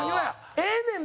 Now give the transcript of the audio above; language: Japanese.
ええねんで。